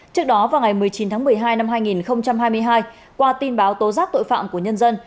trước đó vào ngày một mươi chín tháng một mươi hai năm hai nghìn hai mươi hai qua tin báo tố giác tội phạm của nhân dân